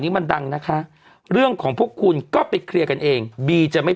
มันดังนะคะเรื่องของพวกคุณก็ไปเคลียร์กันเองบีจะไม่